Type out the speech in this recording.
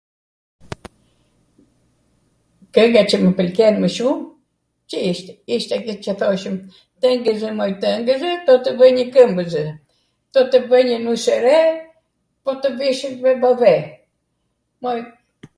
kwnga qw mw pwlqen mw shum, qw ishtw, ishtw kjo qw thoshwm twngwzw, moj twngwzw, do tw vw njw kwmbwzw, do tw bw njw nus' e re, do tw vishwm me podhe, moj...